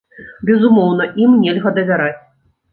Безумоўна, ім нельга давяраць.